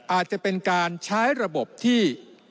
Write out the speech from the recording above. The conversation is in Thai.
อาจจะเป็นการใช้ระบบที่